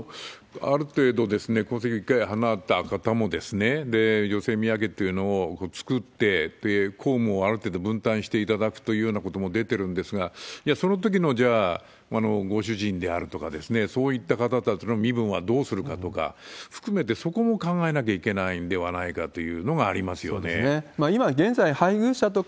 ある程度皇籍から１回離れた方も女性宮家というのを作って、公務をある程度分担していただくというようなことも出てるんですが、じゃあ、そのときのご主人であるとか、そういった方たちの身分はどうするかとか含めて、そこも考えなきゃいけないんではないかというのがありますよね。